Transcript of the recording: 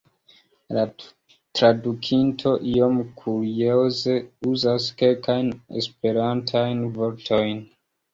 La tradukinto iom kurioze uzas kelkajn esperantajn vortojn.